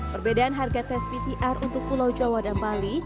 perbedaan harga tes pcr untuk pulau jawa dan bali